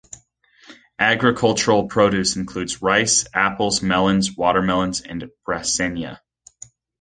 Agricultural produce includes rice, apples, melons, watermelons, and Brasenia.